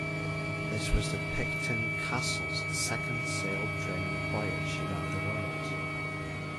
This was the "Picton Castle's" second sail-training voyage around the World.